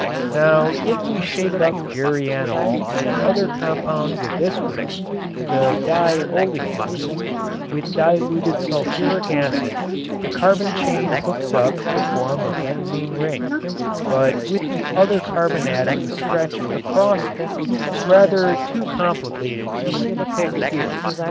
Now if we shake up geraniol and other compounds of this group (the diolefines) with diluted sulfuric acid the carbon chain hooks up to form a benzene ring, but with the other carbon atoms stretched across it; rather too complicated to depict here.